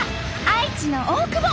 愛知の大久保。